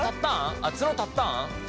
あっツノ立ったん？